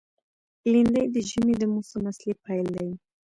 لېندۍ د ژمي د موسم اصلي پیل دی.